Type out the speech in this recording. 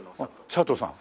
佐藤さん。